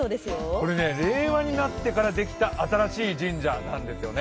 これ、令和になってからできた新しい神社なんですよね。